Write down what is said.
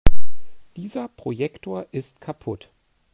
Dieser Projektor ist kaputt.